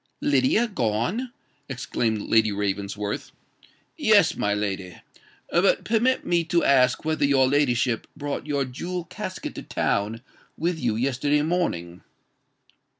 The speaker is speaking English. "Lydia gone!" exclaimed Lady Ravensworth. "Yes—my lady. But permit me to ask whether your ladyship brought your jewel casket to town with you yesterday morning."